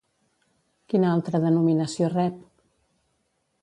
Quina altra denominació rep?